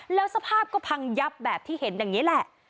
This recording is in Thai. แล้วสภาพก็พังยับแบบที่เห็นอย่างนี้แหละ